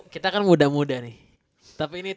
kita kan muda muda nih